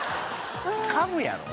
噛むやろ